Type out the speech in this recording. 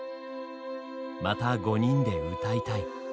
「また５人で歌いたい」。